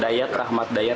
dayat rahmat dayat